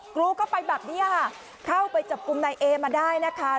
กรูเข้าไปแบบนี้ค่ะเข้าไปจับกลุ่มนายเอมาได้นะคะ